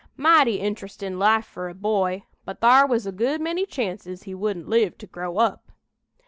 Mighty interestin' life fur a boy, but thar was a good many chances he wouldn't live to grow up."